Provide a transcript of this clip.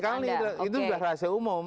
sekali itu sudah rahasia umum